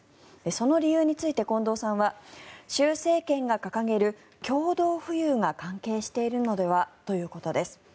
その理由について近藤さんは習政権が掲げる共同富裕が関係しているのではということです。